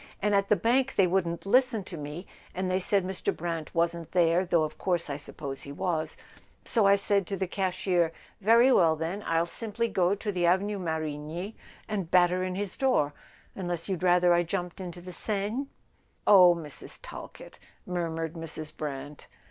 And at the bank they wouldn't listen to me, and they said Mr. Brant wasn't there, though of course I suppose he was; so I said to the cashier: 'Very well, then, I'll simply go to the Avenue Marigny and batter in his door—unless you'd rather I jumped into the Seine ?'" "Oh, Mrs. Talkett " murmured Mrs. Brant.